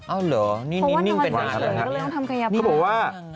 เอ้าเหรอนี่นิ่งเป็นกายภาพแล้ว